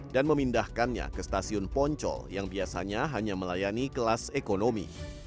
dan memindahkannya ke stasiun poncol yang biasanya hanya melayani kelas ekonomi